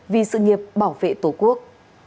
vì sự nghiệp bảo vệ tổ quốc